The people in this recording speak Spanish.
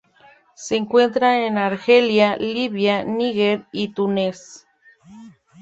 Se encuentra en Argelia, Libia, Níger y Túnez.